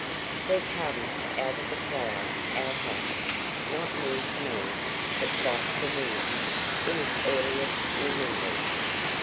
There comes out of the cloud, our house not new to me, but quite familiar, in its earliest remembrance.